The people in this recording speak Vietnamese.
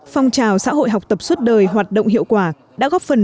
phong trào xã hội học tập suốt đời hoạt động hiệu quả đã góp phần